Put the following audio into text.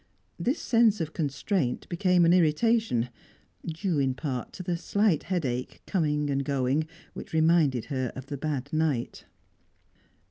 This sense of constraint became an irritation due in part to the slight headache, coming and going, which reminded her of her bad night.